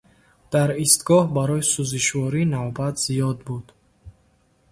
Дар истгоҳ барои сӯзишворӣ навбат зиёд буд.